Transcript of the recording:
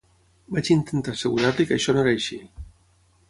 Vaig intentar assegurar-li que això no era així.